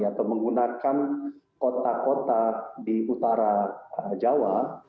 atau menggunakan kota kota di utara jawa